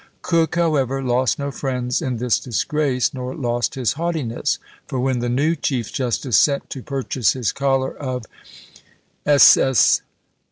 Coke, however, lost no friends in this disgrace, nor lost his haughtiness; for when the new chief justice sent to purchase his Collar of SS.